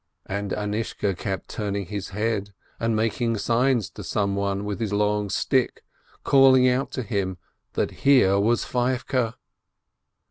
And Anishka kept turning his head and making signs to some one with his long stick, calling out to him that here was Feivke.